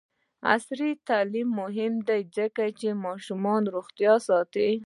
عصري تعلیم مهم دی ځکه چې د ماشومانو روغتیا ساتي.